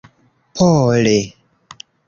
pole